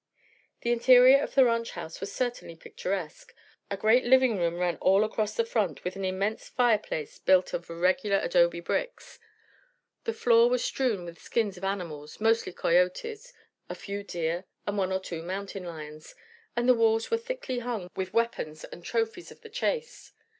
The interior of the ranch house was certainly picturesque. A great living room ran all across the front, with an immense fireplace built of irregular adobe bricks. The floor was strewn with skins of animals mostly coyotes, a few deer and one or two mountain lions and the walls were thickly hung with weapons and trophies of the chase.